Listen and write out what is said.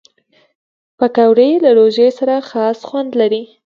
پکورې له روژې سره خاص خوند لري